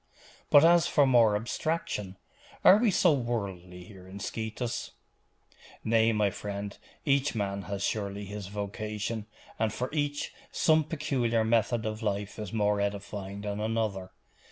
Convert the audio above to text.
But as for more abstraction, are we so worldly here in Scetis?' 'Nay, my friend, each man has surely his vocation, and for each some peculiar method of life is more edifying than another.